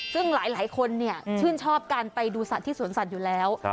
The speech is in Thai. ซึ่งหลายคนชื่นชอบการไปดูสัตว์ที่สวนสัตว์อยู่แล้ว